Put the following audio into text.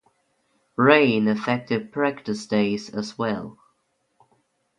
Rain affected practice days as well.